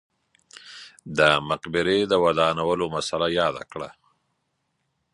د مقبرې د ودانولو مسئله یاده کړه.